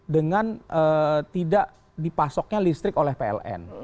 dengan tidak dipasoknya listrik oleh pln